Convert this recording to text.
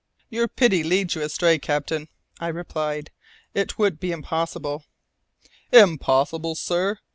"Your pity leads you astray, captain," I replied. "It would be impossible." "Impossible, sir!